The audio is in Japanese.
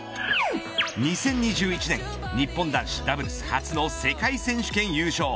２０２１年日本男子ダブルス初の世界選手権優勝。